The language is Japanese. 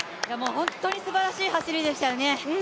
本当にすばらしい走りでしたよね。